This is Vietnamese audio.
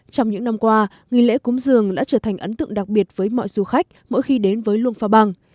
trong những năm qua nghi lễ cúng giường đã trở thành ấn tượng đặc biệt với mọi du khách mỗi khi đến với luông pha băng